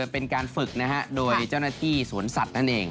เป็นการฝึกโดยเจ้าหน้าที่สวนสัตว์นั่นเอง